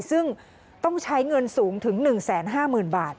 ซึ่งต้องใช้เงินสูงถึง๑๕๐๐๐บาท